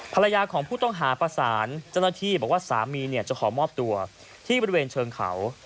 ภรรยาของผู้ต้องหาประสานเจ้าหน้าที่บอกว่าสามีเนี่ยจะขอมอบตัวที่บริเวณเชิงเขา